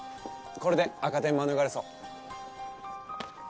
これで赤点免れそう